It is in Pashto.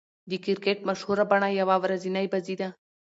د کرکټ مشهوره بڼه يوه ورځنۍ بازي ده.